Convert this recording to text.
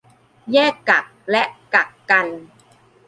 แยกกักและกักกัน